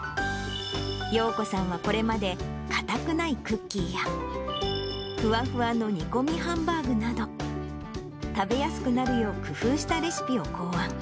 ようこさんはこれまで、硬くないクッキーや、ふわふわの煮込みハンバーグなど、食べやすくなるよう工夫したレシピを考案。